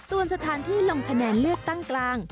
ส่วนสถานที่ลงคะแนนเลือกตั้งกลาง